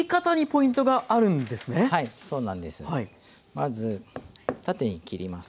まず縦に切ります。